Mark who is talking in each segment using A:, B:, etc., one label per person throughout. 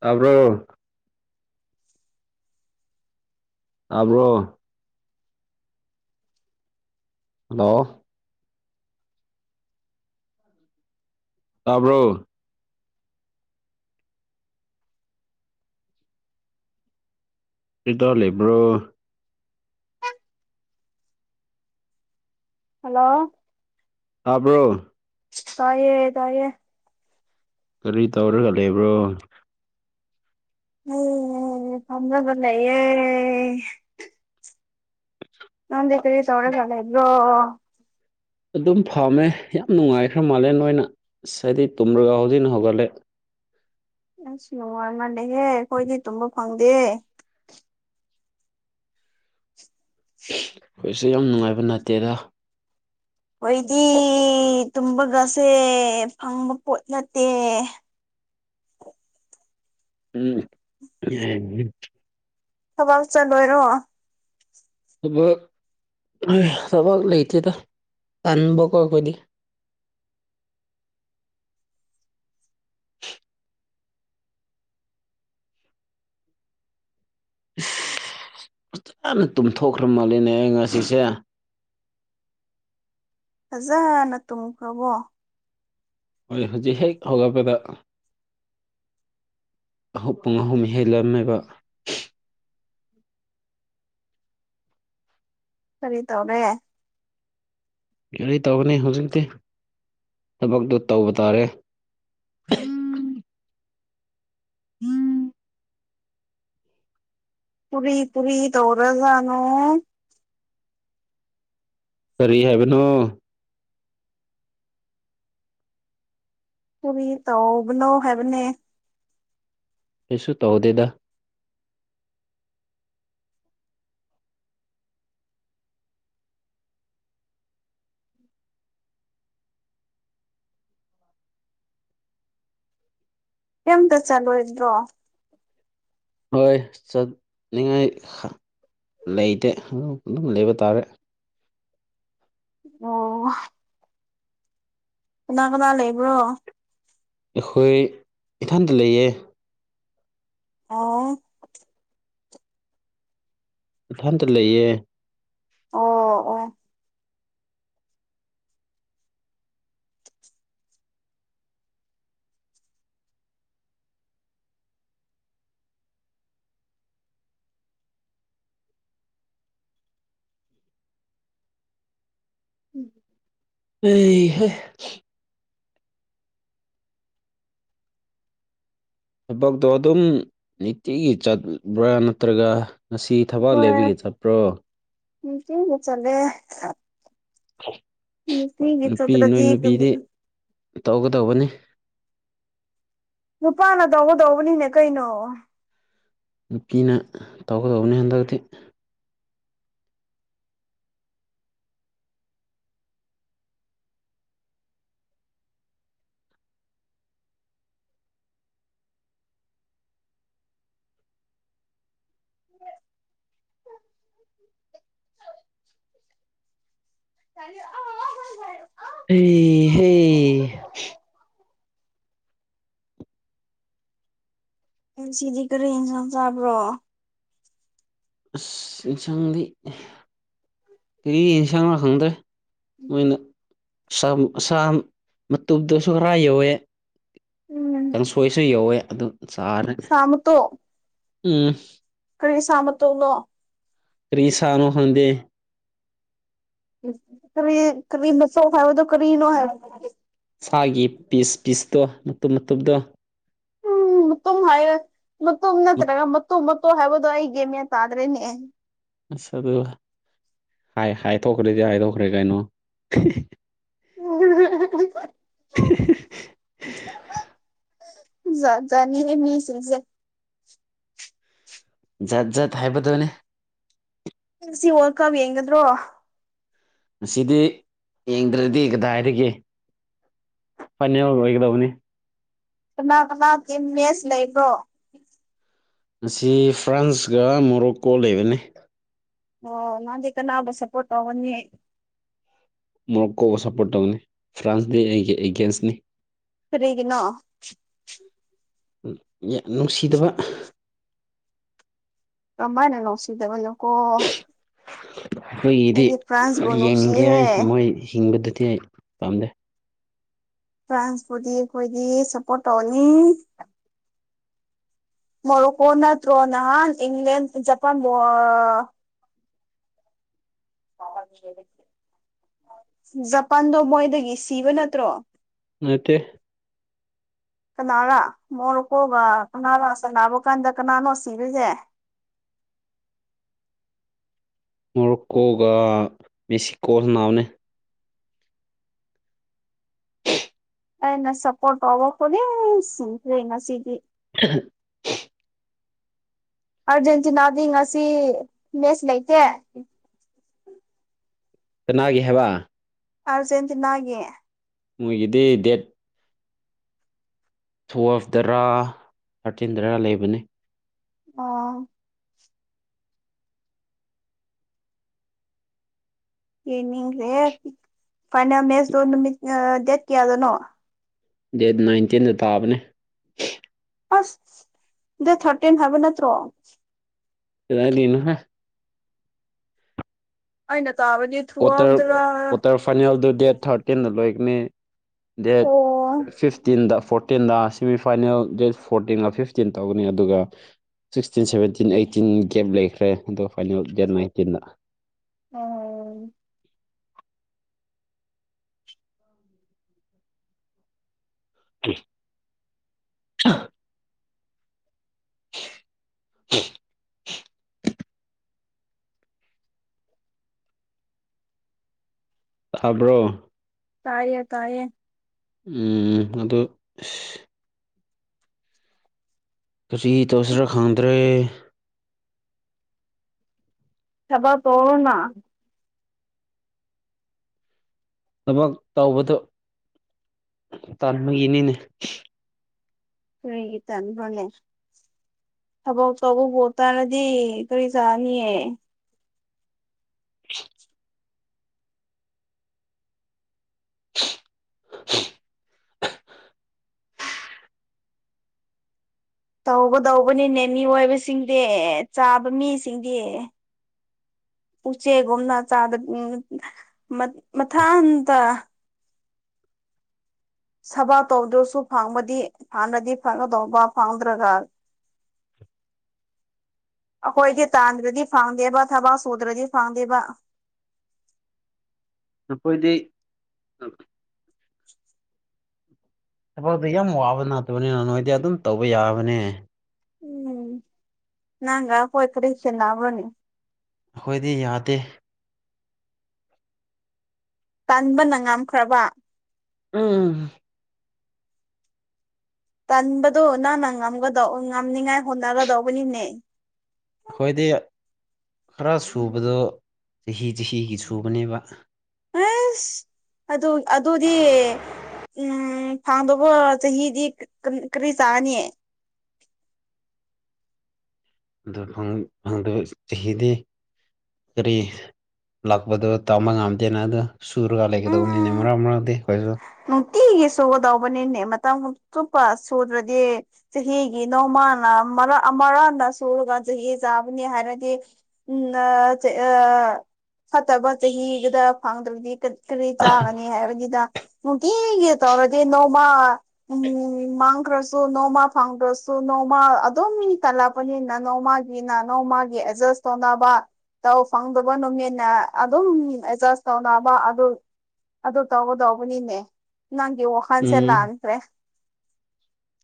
A: ꯇꯕ꯭ꯔꯣ ꯑꯕ꯭ꯔꯣ ꯍꯜꯂꯣ ꯇꯥꯕ꯭ꯔꯣ ꯄꯔꯤꯗ ꯂ ꯍꯦꯕ꯭ꯔꯣ
B: ꯍꯜꯂꯣ
A: ꯑꯕ꯭ꯔꯣ
B: ꯇꯥꯏꯌꯦ ꯇꯥꯏꯌꯦ
A: ꯀꯔꯤ ꯇꯧꯔꯒ ꯂꯩꯕ꯭ꯔꯣ
B: ꯎꯝ ꯐꯖꯒ ꯂꯩ ꯑꯦ ꯅꯥꯟ ꯗꯦ ꯀꯔꯤ ꯆꯧꯔ ꯆꯂ ꯍꯥꯏꯗ꯭ꯔꯣ
A: ꯑꯗꯨꯝ ꯐꯝꯃꯦ ꯌꯥꯝ ꯅꯨꯡꯉꯥꯏꯈ꯭ꯔ ꯃꯥꯂꯦꯝꯦꯟ ꯑꯣꯏꯅꯁ ꯍꯥꯏꯗꯤ ꯇꯨꯝꯔꯒ ꯍꯧꯖꯤꯅ ꯍꯧꯒꯠꯂꯦ
B: ꯑꯁ ꯅꯨꯡꯉꯥꯏ ꯃꯥꯜꯂꯦꯍꯦ ꯑꯩꯈꯣꯏꯗꯤ ꯇꯨꯝꯕ ꯐꯪꯗꯦ
A: ꯑꯩꯈꯣꯏꯁꯨꯦ ꯌꯥꯝ ꯅꯨꯡꯉꯥꯏꯕ ꯅꯥꯇꯦꯗ
B: ꯍꯣꯏꯗꯤ ꯇꯨꯝꯕꯒꯁꯦ ꯐꯪꯕ ꯄꯣꯠ ꯅꯠꯇꯦ
A: ꯎꯝꯝ
B: ꯊꯕꯛ ꯆꯠꯂꯣꯏꯔꯣ
A: ꯊꯕ ꯊꯕꯛ ꯂꯩꯇꯦꯗ ꯇꯕ ꯈꯣꯠꯛꯄꯗꯤ [inaudible] ꯐꯖꯅ ꯇꯨꯝꯊꯣꯛꯈ꯭ꯔ ꯃꯥꯜꯂꯤꯅꯦ ꯑꯩ ꯉꯁꯤꯁꯦ
B: ꯐꯖꯅ ꯇꯨꯝꯈ꯭ꯔꯕꯣ
A: ꯍꯣꯏ ꯍꯧꯖꯤꯛ ꯍꯦꯛ ꯍꯧꯒꯠꯄꯗ ꯑꯍ ꯄꯨꯡ ꯑꯍꯨꯝ ꯍꯦꯜꯂꯝꯃꯦꯕ
B: ꯁꯔꯤ ꯇꯧꯔꯦ
A: ꯌꯥꯔꯤ ꯇꯧꯒꯅꯤ ꯍꯧꯖꯤꯛꯇꯤ ꯊꯕꯛꯇꯨ ꯇꯧꯕ ꯇꯥꯔꯦ ꯎꯝ
B: ꯄꯨꯔꯤ ꯄꯨꯔꯤ ꯇꯧꯔꯖꯥꯅꯣ
A: ꯀꯔꯤ ꯍꯥꯏꯕꯅꯣ
B: ꯇꯕꯤ ꯇꯧꯕꯅꯣ ꯍꯥꯏꯦꯕꯅꯦ
A: ꯀꯩꯁꯨ ꯇꯧꯗꯦꯗ
B: ꯀꯩꯝꯇ ꯆꯠꯂꯣꯏꯗ꯭ꯔꯣ
A: ꯍꯣꯏ ꯆꯠꯅꯤꯡꯉꯥꯏ ꯂꯩꯇꯦ ꯑꯗꯨ ꯑꯗꯨꯝ ꯂꯩꯕ ꯇꯥꯔꯦ
B: ꯑꯣ ꯀꯅꯥ ꯀꯅꯥ ꯂꯩꯕ꯭ꯔꯣ
A: ꯑꯩꯈꯣꯏ ꯏꯊꯟꯇ ꯂꯩꯌꯦ
B: ꯑꯣ
A: ꯏꯊꯟꯇ ꯂꯩꯌꯦ
B: ꯑꯣ ꯑꯣ ꯎꯝ
A: ꯑꯩ ꯍꯣꯏ ꯊꯕꯛꯇꯣ ꯑꯗꯨꯝ ꯅꯨꯡꯇꯤꯒꯤ ꯆꯠꯄ꯭ꯔꯥ ꯅꯠꯇ꯭ꯔꯒ ꯉꯁꯤ ꯊꯕꯥꯛ ꯂꯩꯕꯤꯒꯦ ꯆꯠꯄ꯭ꯔꯣ
B: ꯎꯝ ꯊꯒ ꯆꯂꯦ
A: ꯎ
B: ꯎꯝ ꯍꯤꯒꯤ ꯏ ꯆ ꯔꯖ ꯌꯦ ꯀ
A: ꯇꯧꯒꯗꯧꯕꯅꯤ
B: ꯅꯨꯄꯥꯅ ꯇꯧꯒꯗꯧꯕꯅꯤꯅꯦ ꯀꯩꯅꯣ
A: ꯅꯨꯄꯤꯅ ꯇꯧꯒꯗꯧꯕꯅꯤ ꯍꯟꯗꯛꯇꯤ
B: [inaudible] [unintelligible]
A: ꯑꯦ ꯍ ꯩ
B: ꯉꯁꯤꯗꯤ ꯀꯔꯤ ꯍꯟꯁꯥꯡ ꯆꯥꯕ꯭ꯔꯣ
A: ꯑꯁ ꯌꯦꯟꯁꯥꯡꯗꯤ ꯀꯔꯤ ꯌꯦꯟꯁꯥꯡꯂ ꯈꯪꯗ꯭ꯔꯦ ꯃꯣꯏꯅ ꯁꯥ ꯃꯇꯨꯞꯗꯁꯨ ꯈꯔ ꯌꯧꯋꯦ
B: ꯎꯝ
A: ꯀꯥꯡꯁꯣꯏꯁꯨ ꯌꯧꯋꯦ ꯑꯗꯨ ꯆꯥꯔꯦ
B: ꯁꯥ ꯃꯇꯣꯛ
A: ꯎꯝ
B: ꯀꯔꯤ ꯁꯥ ꯃꯇꯣꯡꯂꯣ
A: ꯀꯔꯤ ꯁꯥꯅꯣ ꯈꯪꯗꯦ
B: ꯀꯔꯤ ꯀꯔꯤ [unintelligible] ꯍꯥꯏꯕꯗꯣ ꯀꯔꯤꯅꯣ ꯍꯥꯏꯕ
A: ꯁꯥꯒꯤ ꯄꯤꯁ ꯄꯤꯁꯇꯣ ꯃꯇꯨꯝ ꯃꯇꯨꯝꯗꯣ
B: ꯎꯝ ꯃꯇꯣꯡ ꯍꯥꯏꯌꯣ ꯃꯇꯨꯝ ꯅꯠꯇ꯭ꯔꯒ ꯃꯇꯨꯝ ꯃꯇꯨꯝ ꯍꯥꯏꯕꯗꯣ ꯑꯩ ꯒ꯭ꯌꯥꯟ ꯃꯥꯟ ꯇꯥꯗ꯭ꯔꯦꯅꯦ
A: ꯑꯁ ꯑꯗꯨ ꯍꯥꯏꯗꯣꯛꯈ꯭ꯔꯗꯤ ꯍꯥꯏꯗꯣꯛꯈ꯭ꯔꯦ ꯀꯩꯅꯣ
B: ꯎꯝ [unintelligible] ꯖꯥꯠ ꯖꯥꯠꯅꯤꯍꯦ ꯃꯤꯁꯤꯡꯁꯦ
A: ꯖꯥꯠ ꯖꯥꯠ ꯍꯥꯏꯕꯗꯨꯅꯦ
B: ꯉꯁꯤ ꯋꯔꯥꯜ ꯀꯕ ꯌꯦꯡꯒꯗ꯭ꯔꯣ
A: ꯉꯁꯤꯗꯤ ꯌꯦꯡꯗ꯭ꯔꯗꯤ ꯀꯗꯥꯏꯗꯒꯤ ꯐꯥꯏꯅꯦꯜ ꯑꯣꯏꯒꯗꯧꯕꯅꯤ
B: ꯀꯅꯥ ꯀꯅꯥꯒꯤ ꯃꯦꯁ ꯂꯩꯕ꯭ꯔꯣ
A: ꯑꯁꯤ ꯐ꯭ꯔꯥꯟꯁꯀ ꯃꯣꯔꯣꯛꯀꯣ ꯂꯩꯕꯅꯤ
B: ꯑꯣ ꯅꯪꯗꯤ ꯀꯅꯥꯕꯨ ꯁꯄ꯭ꯔꯣꯠ ꯇꯧꯒꯅꯤ
A: ꯃꯣꯔꯣꯛꯀꯣꯕꯨ ꯁꯞꯄ꯭ꯔꯣꯠ ꯇꯧꯅꯤ ꯐ꯭ꯔꯥꯟꯁꯗꯤ ꯑꯩꯒꯤ ꯑꯦꯒꯦꯟꯁꯅꯤ
B: ꯀꯔꯤꯒꯤꯅꯣ
A: [unintelligible] ꯅꯨꯡꯁꯤꯗꯕ
B: ꯀꯃꯥꯏꯅ ꯅꯨꯡꯁꯤꯗꯕꯅꯣꯀꯣ
A: ꯑꯩꯈꯣꯏꯒꯤꯗꯤ
B: ꯑꯩꯗꯤ ꯐ꯭ꯔꯥꯟꯁꯕꯨ
A: ꯌꯦꯡꯅꯤꯡꯗꯦ
B: ꯅꯨꯡꯁꯤꯍꯦ
A: ꯍꯥꯏ ꯃꯣꯏ ꯍꯤꯡꯕꯗꯨꯗꯤ ꯑꯩ ꯄꯥꯝꯗꯦ
B: ꯐ꯭ꯔꯥꯟꯁꯄꯨꯗꯤ ꯑꯩꯈꯣꯏꯗꯤ ꯁꯞꯄ꯭ꯔꯣꯠ ꯇꯧꯅꯤ ꯃꯣꯔꯣꯀꯣ ꯅꯠꯊ꯭ꯔꯣ ꯅꯍꯥꯟ ꯏꯪ꯭ꯂꯦꯟ ꯖꯄꯥꯥꯟꯕꯣ [unintelligible] ꯖꯄꯥꯟꯗꯣ ꯃꯣꯏꯗꯒꯤ ꯁꯤꯕ ꯅꯠꯇ꯭ꯔꯣ
A: ꯅꯠꯇꯦ
B: ꯀꯅꯥꯔꯥ ꯃꯣꯔꯣꯛꯀꯣꯒ ꯀꯅꯥꯔ ꯁꯥꯅꯥꯕ ꯀꯥꯟꯗ ꯀꯅꯥꯅꯣ ꯁꯤꯕꯁꯦ
A: ꯃꯣꯔꯣꯛꯀꯣꯒ ꯃꯦꯛꯁꯤꯀꯣ ꯁꯥꯅꯕꯅꯦ
B: ꯑꯩꯅ ꯁꯄ꯭ꯔꯣꯠ ꯇꯧꯕ ꯈꯨꯗꯤꯡ ꯁꯤꯈ꯭ꯔꯦ ꯉꯁꯤꯗꯤ
A: [unintelligible]
B: ꯑꯔꯖꯦꯟꯇꯤꯅꯥꯗꯤ ꯉꯁꯤ ꯃꯦꯁ ꯂꯩꯇꯦ
A: ꯀꯅꯥꯒꯤ ꯍꯥꯏꯕ
B: ꯑꯔꯖꯁꯤ ꯅꯒꯦ
A: ꯃꯣꯏꯒꯤꯗꯤ ꯗꯦꯠ ꯇꯨꯌꯦꯜꯐꯇꯔ ꯊꯥꯔꯇꯤꯟꯗꯔꯥ ꯂꯩꯕꯅ
B: ꯑꯣ ꯌꯦꯅꯤ꯭ꯔꯦ ꯐꯥꯏꯅꯜ ꯃꯦꯁ ꯅꯨꯃꯤ ꯗꯦꯠ ꯀꯌꯥꯎꯗꯅꯣ
A: ꯗꯦꯠ ꯅꯥꯏꯟꯇꯤꯟꯗ ꯇꯥꯕꯅꯦ
B: ꯑꯁ ꯗꯦꯠ ꯊꯥꯔꯇꯤꯟ ꯍꯥꯏꯕ ꯅꯠꯇ꯭ꯔꯣ
A: ꯀꯗꯥꯏꯗꯒꯤꯅꯣ ꯍꯦ
B: ꯑꯩꯅ ꯇꯥꯕꯗꯤ
A: ꯀ꯭ꯋꯥꯇꯔ
B: ꯊꯨꯋꯥꯝꯗꯔꯥ
A: ꯀ꯭ꯋꯥꯇꯔ ꯐꯥꯏꯅꯦꯜꯗꯨ ꯗꯦꯠ ꯊꯥꯔꯇꯤꯟꯗ ꯂꯣꯏꯒꯅꯤ ꯗꯦꯠ
B: ꯑꯣ
A: ꯐꯤꯐꯇꯤꯟꯗ ꯐꯣꯔꯇꯤꯟꯗ ꯁꯤꯃꯤꯐꯥꯏꯅꯦꯜ ꯗꯦꯠ ꯐꯣꯔꯇꯤꯟꯒ ꯐꯤꯐꯇꯤꯟ ꯇꯧꯒꯅꯤ ꯑꯗꯨꯒ ꯁꯤꯛꯁꯇꯤꯟ ꯁꯚꯦꯟꯇꯤꯟ ꯑꯩꯇꯤꯟ ꯒꯦꯞ ꯂꯩꯈ꯭ꯔꯦ ꯑꯗꯣ ꯐꯥꯏꯅꯦꯜ ꯗꯦꯠ ꯅꯥꯏꯟꯇꯤꯟꯗ
B: ꯎꯝ
A: ꯀ [inaudible] ꯊꯥꯕ꯭ꯔꯣ
B: ꯇꯥꯏꯌꯦ ꯇꯥꯏꯌꯦ
A: ꯎ ꯑꯗꯣ ꯑꯁ ꯀꯔꯤ ꯇꯧꯁꯤꯔꯥ ꯈꯪꯗ꯭ꯔꯦ
B: ꯊꯕꯛ ꯇꯧꯔꯣꯅ
A: ꯊꯕꯛ ꯇꯧꯕꯗꯣ ꯇꯥꯟꯕꯒꯤꯅꯤꯅꯦ
B: ꯀꯔꯤꯒꯤ ꯇꯟꯕꯅꯦ ꯊꯕꯛ ꯇꯧꯕꯕꯨ ꯇꯜꯂꯗꯤ ꯀꯔꯤ ꯆꯥꯅꯤ꯫ ꯇꯧꯒꯗꯧꯕꯅꯤꯅꯦ ꯃꯤ ꯑꯣꯏꯏꯕꯁꯤꯡꯗꯤ ꯆꯥꯕ ꯃꯤꯁꯤꯡꯗꯤ ꯎꯆꯦꯛꯒꯨꯝꯅ ꯆꯥꯗ ꯃꯊꯟꯇ ꯁꯕꯥ ꯇꯧꯗ꯭ꯔꯁꯨ ꯐꯪꯕꯗꯤ ꯍꯥꯟꯅꯗꯤ ꯐꯪꯒꯗꯧꯕ ꯐꯪꯗ꯭ꯔꯒ
A: [inaudible]
B: ꯑꯩꯈꯣꯏꯗꯤ ꯇꯥꯟꯗ꯭ꯔꯗꯤ ꯐꯪꯗꯦꯕ ꯊꯕꯛ ꯁꯨꯗ꯭ꯔꯗꯤ ꯐꯪꯗꯦꯕ
A: ꯑꯩꯈꯣꯏꯗꯤ ꯊꯕꯛꯇꯛꯇ ꯌꯥꯝ ꯋꯥꯕ ꯅꯥꯇꯕꯅꯤꯅ ꯅꯣꯏꯗꯤ ꯑꯗꯨꯝ ꯇꯧꯕ ꯌꯥꯕꯅꯦ
B: ꯎꯝ ꯅꯪꯒ ꯑꯩꯍꯣꯏꯒ ꯀꯔꯤ ꯈꯦꯠꯅꯅꯥꯕ꯭ꯅꯣꯅꯦ꯫
A: ꯑꯩꯈꯣꯏꯗꯤ ꯌꯥꯗꯦ
B: ꯇꯥꯟꯕꯅ ꯉꯝꯈ꯭ꯔꯕ
A: ꯎꯝ
B: ꯇꯟꯕꯗꯣ ꯅꯪꯅ ꯉꯝꯒ ꯉꯝꯅꯤꯉꯥꯏ ꯍꯣꯠꯅꯒꯗꯧꯕꯅꯤꯅꯦ
A: ꯑꯩꯈꯣꯏꯗꯤ ꯈꯔ ꯁꯨꯕꯗꯣ ꯆꯍꯤ ꯆꯍꯤꯒꯤ ꯁꯨꯕꯅꯦꯕ
B: ꯑꯁ ꯑꯗꯨ ꯑꯗꯨꯗꯤ ꯎꯝ ꯐꯥꯡꯗꯧꯕ ꯆꯍꯤꯗꯤ ꯀꯔꯤ ꯆꯥꯅꯤꯌꯦ
A: ꯑꯗꯨ ꯐꯪꯗꯕ ꯆꯍꯤꯗꯤ ꯀꯔꯤ ꯂꯥꯛꯄꯗꯣ ꯇꯝꯕ ꯉꯝꯗꯦꯅ ꯑꯗꯨ ꯁꯨꯔꯒ ꯂꯩꯒꯗꯧꯕꯅꯤꯅꯦ
B: ꯎꯝ
A: ꯃꯔꯛ ꯃꯔꯛꯇꯤ ꯑꯩꯈꯣꯏꯁꯨ
B: ꯅꯨꯡꯇꯤꯒꯤ ꯁꯨꯒꯗꯕꯅꯤꯅꯦ ꯃꯇꯝ ꯆꯨꯞꯄ ꯁꯨꯗ꯭ꯔꯗꯤ ꯆꯍꯤꯒꯤ ꯅꯣꯡꯃꯅ ꯃꯔꯛ ꯑꯃꯔ ꯁꯨꯔꯒ ꯆꯍꯤ ꯆꯥꯕꯅꯤ ꯍꯥꯏꯔꯗꯤ ꯎꯝ ꯑ ꯐꯠꯇꯕ ꯆꯍꯤꯗꯨꯗ ꯐꯪꯗ꯭ꯔꯕꯗꯤ ꯀꯔ ꯀꯔꯤ ꯆꯥꯒꯅꯤ ꯍꯥꯏꯕꯅꯤꯗ ꯅꯨꯡꯇꯤꯒꯤ ꯇꯧꯔꯗꯤ ꯅꯣꯡꯃ꯫ ꯎꯝ ꯃꯥꯥꯡ꯭ꯈꯔꯁꯨ ꯅꯣꯡꯃ ꯐꯥꯗꯔꯁꯨ ꯅꯣꯡꯃ ꯑꯗꯨ ꯇꯜ ꯄꯅꯤꯅ ꯅꯣꯡꯃꯥꯒꯤꯅ ꯅꯣꯡꯃꯥꯒꯤ ꯑꯦꯗꯖꯁ ꯇꯧꯅꯕ ꯇꯧ ꯐꯪꯗꯕ ꯅꯨꯃꯤꯠꯅ ꯑꯗꯨꯝ ꯑꯦꯖꯁ ꯇꯧꯅꯕ ꯑꯗꯨ ꯑꯗꯨꯗ ꯇꯒꯗꯧꯕꯅꯤꯅꯦ ꯅꯪꯒꯤ ꯋꯥꯈꯟꯁꯦ
A: ꯎꯝ
B: ꯂꯥꯜꯈꯔꯦ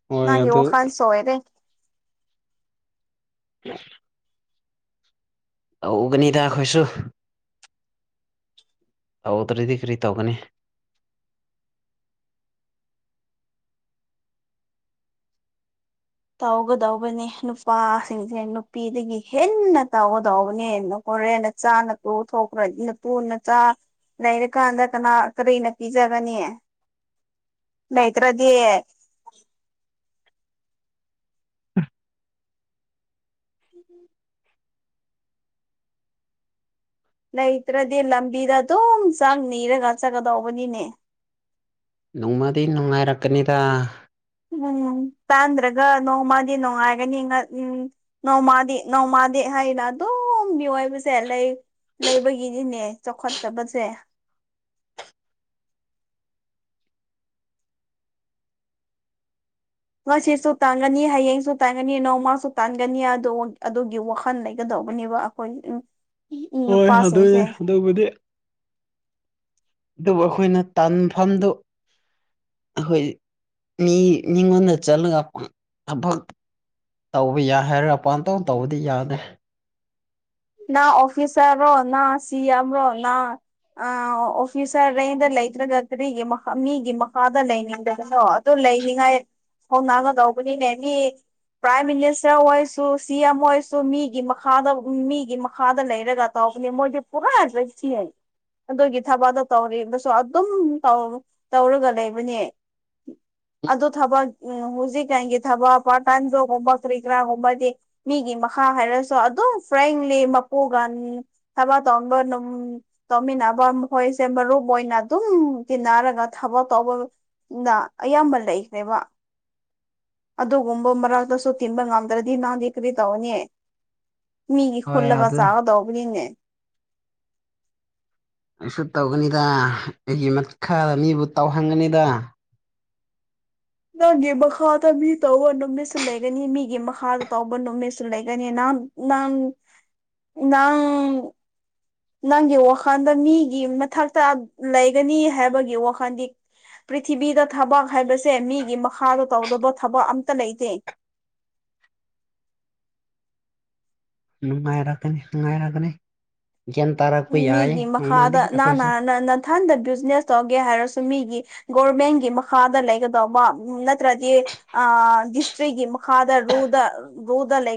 A: ꯍꯣꯏ
B: ꯅꯪꯒꯤ
A: ꯑꯗꯨ
B: ꯋꯥꯈꯥꯟ ꯆꯣꯏꯔꯦ
A: [unintelligible] ꯇꯧꯒꯅꯤꯗꯥ ꯈꯣꯏꯁꯨ ꯇꯧꯗ꯭ꯔꯗꯤ ꯀꯔꯤ ꯇꯧꯒꯅꯤ
B: ꯇꯧꯒꯗꯧꯕꯅꯦ ꯅꯨꯄꯥꯁꯤꯡꯁꯦ ꯅꯨꯄꯤꯗꯒꯤ ꯍꯦꯟꯅ ꯇꯧꯒꯗꯧꯕꯅꯦ꯫ ꯍꯣꯔꯦꯟꯅ ꯆꯥꯅ ꯇꯣꯛ ꯊꯣꯛꯈ꯭ꯔꯗꯤ ꯅꯇꯨ ꯅꯆꯥ ꯫ ꯂꯩꯔꯀꯥꯟꯗ ꯀꯅꯥ ꯀꯔꯤꯅ ꯄꯤꯖꯒꯅꯤ ꯂꯩꯇ꯭ꯔꯗꯤ ꯂꯩꯇ꯭ꯔꯗꯤ ꯂꯝꯕꯤꯗ ꯑꯗꯨꯝ ꯆꯥꯛ ꯅꯤꯔꯒ ꯆꯠꯀꯗꯧꯕꯅꯤꯅꯦ
A: ꯅꯣꯡꯃꯗꯤ ꯅꯨꯡꯉꯥꯏꯔꯛꯀꯅꯤꯗ
B: ꯎꯝ ꯇꯥꯟꯗ꯭ꯔꯒ ꯅꯣꯡꯃꯗꯤ ꯅꯨꯡꯉꯥꯏꯒꯅꯤ ꯉ ꯎꯝ ꯅꯣꯡꯃꯥꯗꯤ ꯅꯣꯡꯃꯥꯗꯤ ꯍꯥꯏꯅ ꯑꯗꯨꯝ ꯃꯤꯑꯣꯏꯕꯁꯦ ꯂꯩ ꯂꯩꯕꯒꯤꯗꯤꯅꯦ ꯆꯥꯎꯈꯠꯇꯕꯁꯦ ꯉꯁꯤꯁꯨ ꯇꯥꯟꯒꯅꯤ ꯍꯌꯦꯡꯁꯨ ꯇꯥꯟꯒꯅꯤ ꯅꯣꯡꯃꯁꯨ ꯇꯥꯟꯒꯅꯤ ꯑꯗꯨ ꯑꯗꯨꯒꯤ ꯋꯥꯈꯜ ꯂꯩꯒꯗꯧꯕꯅꯦꯕ [unintelligible] ꯎꯝ ꯎꯝ ꯅꯨꯄꯥꯁꯤꯡꯁꯦ
A: ꯗꯨꯕꯨꯗꯤ ꯑꯗꯨꯕꯨ ꯑꯩꯈꯣꯏꯅ ꯇꯥꯟꯐꯝꯗꯨ ꯑꯩꯈꯣꯏ ꯃꯤ ꯃꯤꯉꯣꯟꯗ ꯆꯠꯂꯒ ꯊꯕꯛ ꯇꯧꯕ ꯌꯥꯏ ꯍꯥꯏꯔꯒ ꯑꯄꯥꯟꯇꯧ ꯇꯧꯕꯗꯤ ꯌꯥꯗ꯭ꯔꯦ
B: ꯅꯪ ꯑꯣꯐꯤꯁꯥꯔꯔꯣ ꯅꯪ ꯁꯤ ꯑꯦꯝꯔꯣ ꯅꯪ ꯑ ꯑꯣꯐꯤꯁꯔ ꯔꯦꯡꯀꯗ ꯂꯩꯇꯔꯒ ꯀꯔꯤꯒꯤ ꯃ ꯃꯤꯒꯤ ꯃꯈꯥꯗ ꯂꯩꯅꯤꯗꯕꯅꯣ ꯑꯗꯨ ꯂꯩꯅꯤꯉꯥꯏ ꯍꯣꯡꯅꯒꯗꯧꯕꯅꯤꯅꯦ ꯃꯤ ꯄ꯭ꯔꯥꯏꯝ ꯃꯤꯅꯤꯁꯇꯔ ꯑꯣꯏꯔꯁꯨ ꯁꯤ ꯑꯦꯝ ꯑꯣꯏꯔꯁꯨ ꯃꯤꯒꯤ ꯃꯈꯥꯗ ꯃꯤ ꯒꯤ ꯃꯈꯥꯗ ꯂꯩꯔꯒ ꯇꯧꯕꯅꯦ ꯃꯣꯏꯗꯤ ꯄꯨꯔꯥ ꯖꯏꯁꯤꯟ ꯑꯗꯨꯒꯤ ꯊꯕꯛꯗ ꯇꯧꯔꯤꯗꯨꯁꯨ ꯑꯗꯨꯝ ꯇꯧ ꯇꯧꯔꯒ ꯂꯩꯕꯅꯦ ꯑꯗ ꯊꯕ ꯍꯨꯖꯤꯛꯀꯥꯟꯒꯤ ꯊꯕ ꯄꯥꯔꯠ ꯇꯥꯏ ꯖꯣꯕ ꯀꯨꯝꯕ ꯀꯔꯤꯀꯔꯥꯒꯨꯝꯕꯗꯤ ꯃꯤꯒꯤ ꯃꯈꯥ ꯍꯥꯏꯔꯁꯨ ꯑꯗꯨꯝ ꯐ꯭ꯔꯥꯡꯂꯤ ꯃꯄꯨꯒ ꯊꯕꯛ ꯇꯧꯕ ꯅꯨꯝ ꯇꯧꯃꯤꯟꯅꯥꯕ ꯃꯈꯣꯏꯁꯦ ꯃꯔꯨꯞꯑꯣꯢꯅꯗꯨꯝ ꯇꯤꯟꯅꯔꯒ ꯊꯕꯛ ꯇꯧꯕ- ꯅ ꯑꯌꯥꯝꯕ ꯂꯩꯈ꯭ꯔꯦꯕ ꯑꯗꯨꯒꯨꯝꯕ ꯃꯔꯥꯛꯇꯁꯨ ꯇꯤꯟꯕ ꯉꯝꯗ꯭ꯔꯗꯤ ꯅꯪꯗꯤ ꯀꯔꯤ ꯇꯧꯅꯤ ꯃꯤꯒꯤ
A: ꯍꯣꯏ
B: ꯈꯨꯜꯂꯒ
A: ꯑꯗꯨ
B: ꯆꯒꯗꯧꯕꯅꯤꯅꯦ
A: ꯑꯩꯁꯨ ꯇꯧꯒꯅꯤꯗ ꯑꯩꯒꯤ ꯃꯈꯥꯗ ꯃꯤꯕꯨ ꯇꯧꯍꯟꯒꯅꯤꯗ
B: ꯅꯪꯒꯤ ꯃꯈꯥꯗ ꯃꯤ ꯇꯧꯕ ꯅꯨꯃꯤꯠꯁꯨ ꯂꯩꯒꯅꯤ ꯃꯤꯒꯤ ꯃꯈꯥꯗ ꯇꯧꯕ ꯅꯨꯃꯤꯠꯁꯨ ꯂꯩꯒꯅꯤ ꯅꯪ ꯅꯪ ꯅꯪ- ꯅꯪꯒꯤ ꯋꯥꯈꯜꯗ ꯃꯤꯒꯤ ꯃꯊꯛꯇ ꯂꯩꯒꯅꯤ ꯍꯥꯏꯕꯒꯤ ꯋꯥꯈꯜꯗꯤ- ꯄ꯭ꯔꯤꯊꯤꯕꯤꯗ ꯊꯕꯛ ꯍꯥꯏꯕꯁꯦ ꯃꯤꯒꯤ ꯃꯈꯥꯗ ꯇꯧꯗꯕ ꯊꯕꯛ ꯑꯝꯇ ꯂꯩꯇꯦ
A: ꯅꯨꯡꯉꯥꯏꯔꯛꯀꯅꯤ ꯅꯨꯡꯉꯥꯏꯔꯛꯀꯅꯤ ꯒ꯭ꯌꯥꯟ ꯇꯥꯔꯛꯄ ꯌꯥꯏꯌꯦ ꯅꯣꯡꯃꯗꯤ ꯑꯩꯈꯣꯏꯁꯨ
B: ꯏꯊꯟꯗ ꯕꯤꯖꯤꯅꯦꯁ ꯇꯧꯒꯦ ꯍꯥꯏꯔꯁꯨ ꯃꯤꯒꯤ ꯒꯣꯔꯃꯦꯟꯒꯤ ꯃꯈꯥꯗ ꯂꯩꯒꯗ ꯑꯝ ꯅꯠꯇ꯭ꯔꯗꯤ ꯑ ꯗꯤꯁꯇꯔꯤꯒꯤ ꯃꯈ ꯈꯥꯗ ꯔꯣꯗ ꯔꯣꯗ ꯂꯩ-